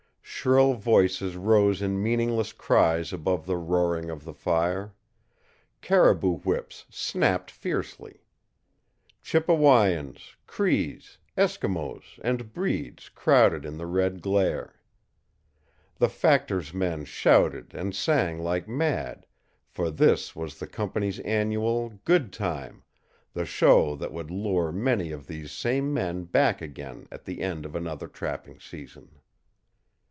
Shrill voices rose in meaningless cries above the roaring of the fire. Caribou whips snapped fiercely. Chippewayans, Crees, Eskimos, and breeds crowded in the red glare. The factor's men shouted and sang like mad, for this was the company's annual "good time" the show that would lure many of these same men back again at the end of another trapping season.